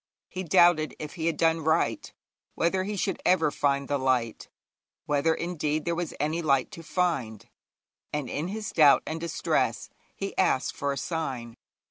He doubted if he had done right, whether he should ever find the light, whether, indeed, there was any light to find, and in his doubt and distress he asked for a sign.